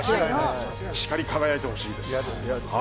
光り輝いてほしいです。